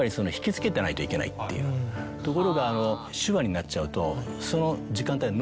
ところが。